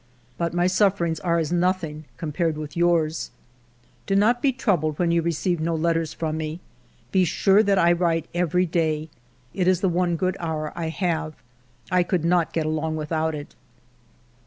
But my sufferings are as nothing compared with yours. ..." Do not be troubled when you receive no letters from me. Be sure that I write you every day. It is the one good hour I have. I could not get along without it."